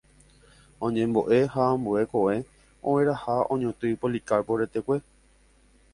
Oñembo'e ha ambue ko'ẽ ogueraha oñotỹ Policarpo retekue.